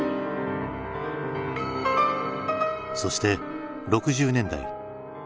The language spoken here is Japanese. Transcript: そして６０年代。